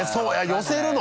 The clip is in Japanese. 寄せるの？